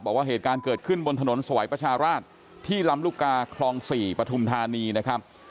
บอกว่าเหตุการณ์เกิดขึ้นบนถนนสวัยประชาราชที่ลำลูกกาคลอง๔ปฐุมธานีนะครับ